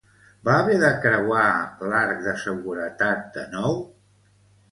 Va haver de creuar l'arc de seguretat de nou?